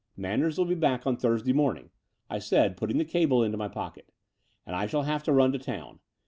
"Manders will be back on Thursday morning," I said, putting the cable into my pocket: "and I shall have to run to town.